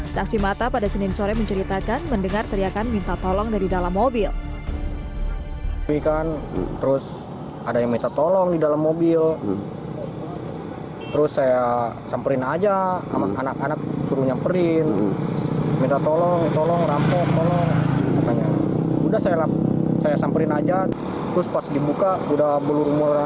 saksi mata pada senin sore menceritakan mendengar teriakan minta tolong dari dalam mobil